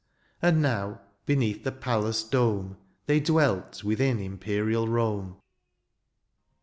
And now, beneath a palace dome. They dwelt within imperial Rome.